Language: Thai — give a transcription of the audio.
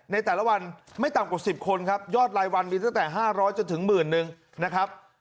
ในแต่ละวันไม่ต่ำกว่า๑๐คนครับยอดรายวันมีตั้งแต่๕๐๐จนถึงหมื่นนึงนะครับ